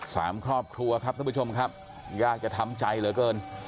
สามครอบครัวครับท่านผู้ชมครับยากจะทำใจเหลือเกิน